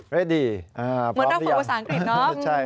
เหมือนต้องฝึกภาษาอังกฤษเนอะ